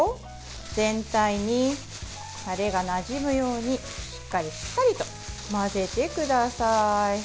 全体にタレがなじむようにしっかりしっかりと混ぜてください。